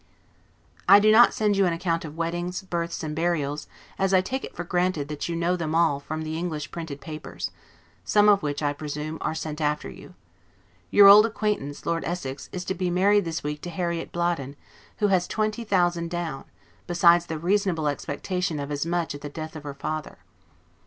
I do not send you an account of weddings, births, and burials, as I take it for granted that you know them all from the English printed papers; some of which, I presume, are sent after you. Your old acquaintance, Lord Essex, is to be married this week to Harriet Bladen, who has L20,000 down, besides the reasonable expectation of as much at the death of her father.